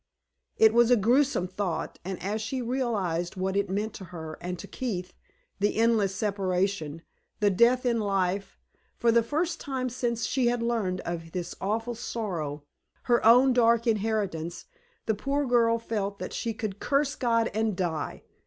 It was a grewsome thought, and as she realized what it meant to her and to Keith the endless separation, the death in life for the first time since she had learned of this awful sorrow, her own dark inheritance, the poor girl felt that she "could curse God and die!"